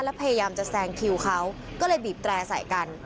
แล้วพยายามจะแซงคิวเขาก็เลยบีบแตร่ใส่กัน